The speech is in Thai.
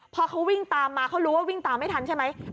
พอเขาวิ่งตามมาเขารู้ว่าวิ่งตามไม่ทันใช่ไหม